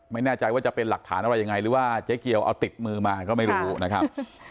ไม่แน่ใจว่าจะเป็นหลักฐานอะไรยังไงหรือว่าเจ๊เกียวเอาติดมือมาก็ไม่รู้นะครับ